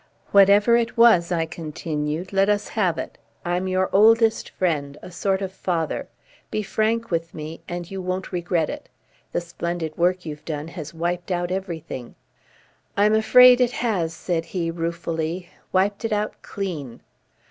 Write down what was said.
"Whatever it was," I continued, "let us have it. I'm your oldest friend, a sort of father. Be frank with me and you won't regret it. The splendid work you've done has wiped out everything." "I'm afraid it has," said he ruefully. "Wiped it out clean."